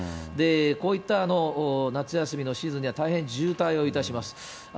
こういった夏休みのシーズンには、大変渋滞をいたします。